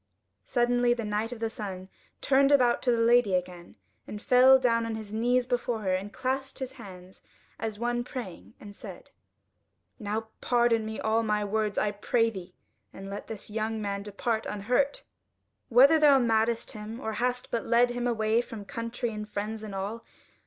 Suddenly the Knight of the Sun turned about to the Lady again, and fell down on his knees before her, and clasped his hands as one praying, and said: "Now pardon me all my words, I pray thee; and let this young man depart unhurt, whether thou madest him, or hast but led him away from country and friends and all.